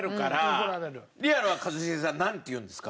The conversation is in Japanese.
リアルは一茂さんなんて言うんですか？